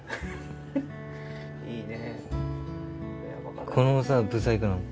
いいね。